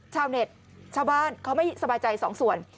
ชาวเน็ตชาวบ้านเขาไม่สบายใจสองส่วน